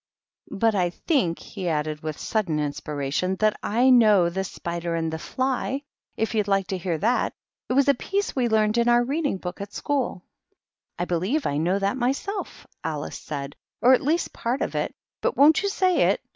But I think," he added, with sudden inspiration, " that I know the * Slider and the Fly^ if you'd like to hear that. It was a piece we learned in our reading book at school." "I believe I know that myself," Alice said; " or at least part of it. But won't you say it